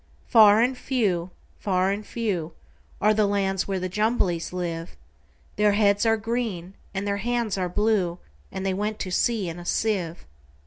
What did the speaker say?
Far and few, far and few, Are the lands where the Jumblies live:Their heads are green, and their hands are blue; And they went to sea in a sieve.